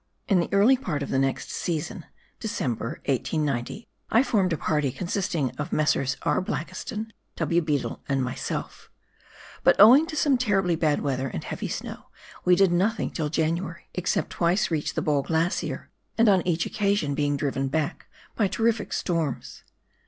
In the early part of the next season, December, 1890, I formed a party consisting of Messrs. R. Blakiston, "W. Beadel, and myself, but owing to some terribly bad weather and heavy snow, we did nothing till January, except twice reach the Ball TASMAN DISTRICT. 23 Glacier, aTid on each occasion being driven back by terrific storms.